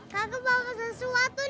kakak bawa sesuatu nih